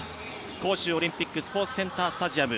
杭州オリンピックスポーツセンタースタジアム。